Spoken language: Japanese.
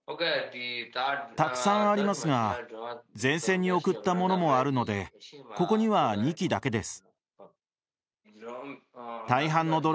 たくさんありますが前線に送ったものもあるのでここには２機だけです。